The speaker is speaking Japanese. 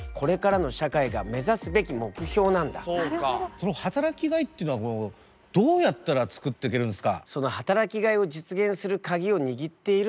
その働きがいっていうのはどうやったら作ってけるんすか？